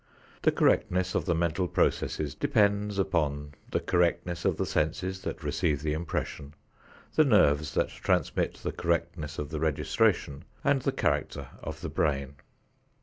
The correctness of the mental processes depends upon the correctness of the senses that receive the impression, the nerves that transmit the correctness of the registration, and the character of the brain.